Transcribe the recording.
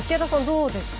どうですか？